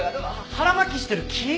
腹巻きしてる木。